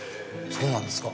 そうなんですか。